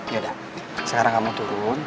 yaudah sekarang kamu turun